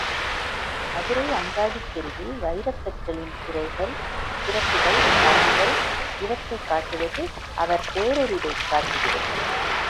மதுரை அங்காடித் தெருவில் வைரக் கற்களின் குறைகள், சிறப்புகள், தரங்கள் இவற்றைக் காட்டுவது அவர் பேரறிவைக் காட்டுகிறது.